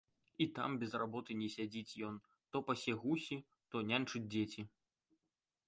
І там без работы не сядзіць ён, то пасе гусі, то няньчыць дзеці.